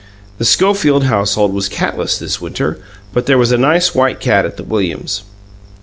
The Schofield household was catless this winter but there was a nice white cat at the Williams'.